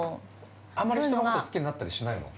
◆あんまり人のこと好きになったりしないの？